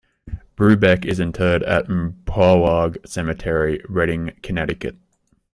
Brubeck is interred at Umpawaug Cemetery in Redding, Connecticut.